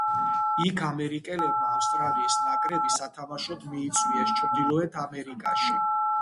იქ ამერიკელებმა ავსტრალიის ნაკრები სათამაშოდ მიიწვიეს ჩრდილოეთ ამერიკაში.